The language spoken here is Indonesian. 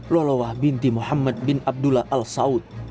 lolawah binti muhammad bin abdullah al saud